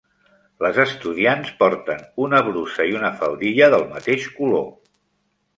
Les estudiants porten una brusa i una faldilla del mateix color.